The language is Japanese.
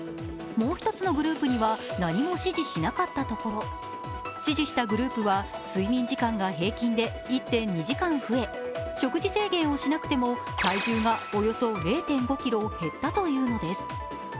もう１つのグループには何も指示しなかったところ、指示したグループは睡眠時間が平均で１．２時間増え、食事制限をしなくて体重がおよそ０．５ｋｇ減ったというのです。